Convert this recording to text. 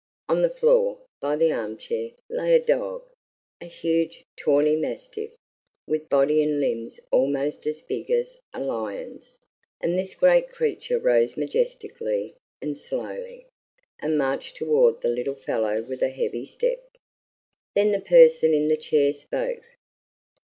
On the floor, by the arm chair, lay a dog, a huge tawny mastiff, with body and limbs almost as big as a lion's; and this great creature rose majestically and slowly, and marched toward the little fellow with a heavy step. Then the person in the chair spoke.